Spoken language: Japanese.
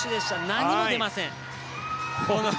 何も出ません。